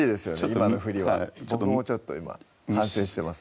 今の振りは僕もちょっと今反省してます